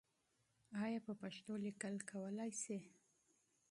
آیا په پښتو لیکل کولای سې؟